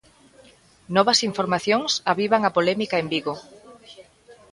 Novas informacións avivan a polémica en Vigo.